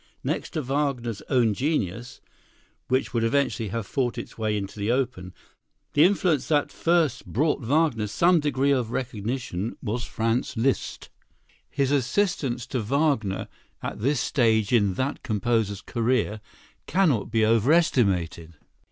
Next to Wagner's own genius, which would eventually have fought its way into the open, the influence that first brought Wagner some degree of recognition was Franz Liszt. His assistance to Wagner at this stage in that composer's career cannot be overestimated.